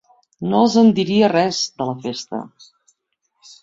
No els en diria res, de la festa.